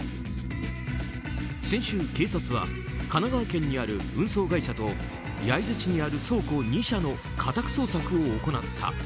先週、警察は神奈川県にある運送会社と焼津市にある倉庫２社の家宅捜索を行った。